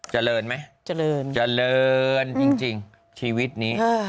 เจริญไหมเจริญเจริญจริงชีวิตนี้